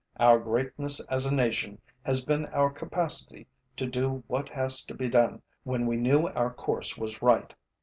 Our greatness as a nation has been our capacity to do what has to be done when we knew our course was right.